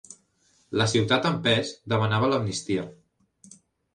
La ciutat en pes demanava l'amnistia.